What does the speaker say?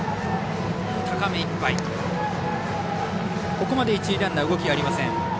ここまで一塁ランナー動きありません。